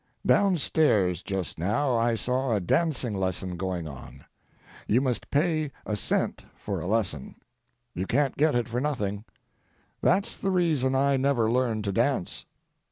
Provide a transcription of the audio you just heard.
Down stairs just now I saw a dancing lesson going on. You must pay a cent for a lesson. You can't get it for nothing. That's the reason I never learned to dance.